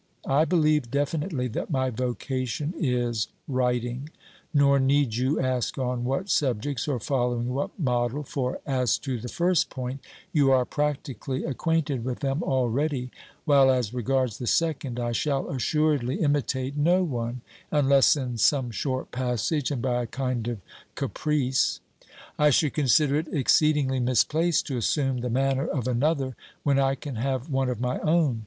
I believe definitely that my vocation is writing, nor need you ask on what subjects, or following what model, for, as to the first point, you are practically acquainted with them already, while, as regards the second, I shall assuredly imitate no one, unless in some short passage, and by a kind of caprice. I should consider it exceedingly misplaced to assume the manner of another when I can have one of my own.